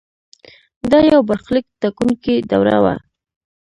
دا یو برخلیک ټاکونکې دوره وه.